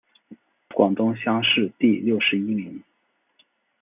广东乡试第六十一名。